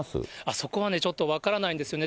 そこはね、ちょっと分からないんですよね、